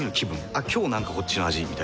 「あっ今日なんかこっちの味」みたいな。